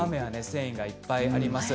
繊維がいっぱいあります。